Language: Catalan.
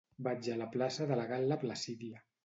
Vaig a la plaça de Gal·la Placídia.